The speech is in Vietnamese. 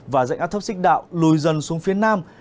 và dạnh áp thấp xích đạo lùi dần xuống phía nam